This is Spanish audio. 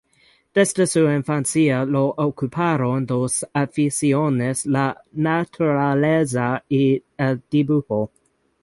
Desde su infancia lo ocuparon dos aficiones: la naturaleza y el dibujo.